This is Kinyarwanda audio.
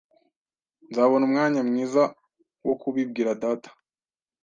Nzabona umwanya mwiza wo kubibwira Data